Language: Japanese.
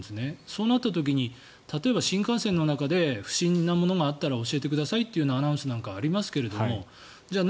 そうなった時に例えば新幹線の中で不審なものがあった時は教えてくださいというアナウンスなんかありますけどじゃあ